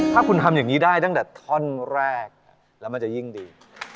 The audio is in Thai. ถ้าคุณทำอย่างนี้ได้ตั้งแต่ท่อนแรกแล้วมันจะยิ่งดี